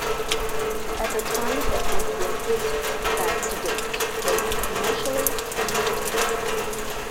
At the time it was their greatest success to date both commercially and critically.